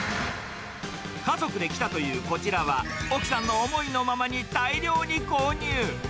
家族で来たというこちらは、奥さんの思いのままに大量に購入。